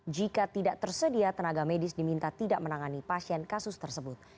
jika tidak tersedia tenaga medis diminta tidak menangani pasien kasus tersebut